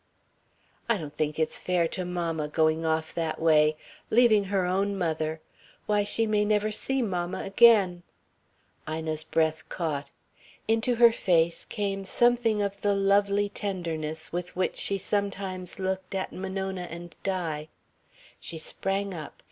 "I don't think it's fair to mamma going off that way. Leaving her own mother. Why, she may never see mamma again " Ina's breath caught. Into her face came something of the lovely tenderness with which she sometimes looked at Monona and Di. She sprang up.